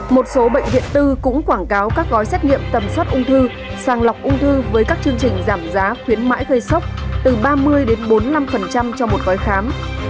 một số bệnh viện tư cũng quảng cáo các gói xét nghiệm tầm soát ung thư sàng lọc ung thư với các chương trình giảm giá khuyến mãi gây sốc từ ba mươi đến bốn mươi năm cho một gói khám